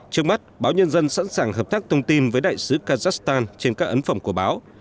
trước mắt báo nhân dân sẵn sàng hợp tác thông tin với đại sứ kazakhstan trên các ấn phẩm của báo